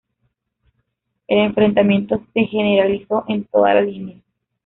El enfrentamiento se generalizó en toda la línea.